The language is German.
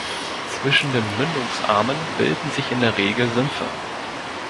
Zwischen den Mündungsarmen bilden sich in der Regel Sümpfe.